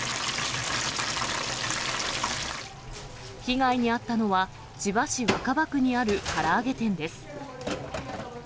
被害に遭ったのは、千葉市若葉区にあるから揚げ店です。